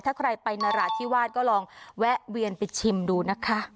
ถ้าใครไปนราธิวาสก็ลองแวะเวียนไปชิมดูนะคะ